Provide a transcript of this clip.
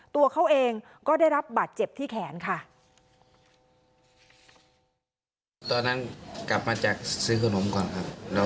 ตัวเขาเองก็ได้รับบาดเจ็บที่แขนค่ะ